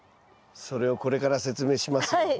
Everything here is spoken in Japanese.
それをこれから説明しますよ。